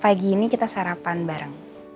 pagi ini kita sarapan bareng